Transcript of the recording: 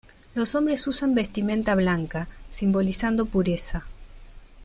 Los hombres usan vestimenta blanca, simbolizando pureza.